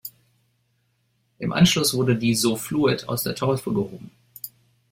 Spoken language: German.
Im Anschluss wurde "Die So Fluid" aus der Taufe gehoben.